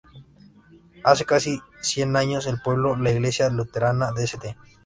Hace casi cien años, el pueblo de Iglesia Luterana de St.